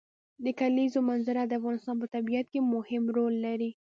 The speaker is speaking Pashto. د کلیزو منظره د افغانستان په طبیعت کې مهم رول لري.